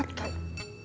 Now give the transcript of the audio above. di dalam keluarga